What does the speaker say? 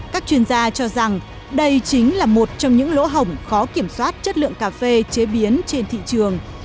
các chuyên gia cho rằng đây chính là một trong những lỗ hổng khó kiểm soát chất lượng cà phê chế biến trên thị trường